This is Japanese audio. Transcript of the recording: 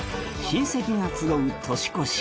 菁盈親戚が集う年越し